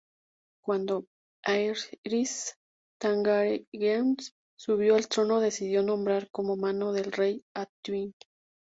Cuando Aerys Targaryen subió al trono decidió nombrar como Mano del Rey a Tywin.